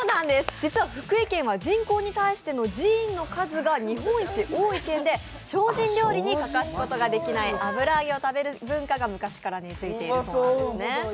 実は福井県は、人口に対しての寺院の数が日本一多い県で精進料理に欠かすことのできない油揚げを食べる文化が昔から根付いているそうなんです。